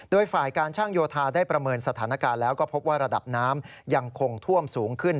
โดยฝ่ายการช่างโยธาได้ประเมินสถานการณ์แล้วก็พบว่าระดับน้ำยังคงท่วมสูงขึ้น